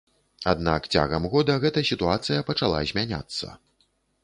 Аднак цягам года гэта сітуацыя пачала змяняцца.